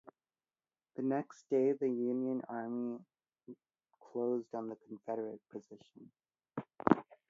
The next day the Union Army closed on the Confederate position.